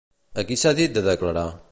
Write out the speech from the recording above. A qui s'ha dit de declarar?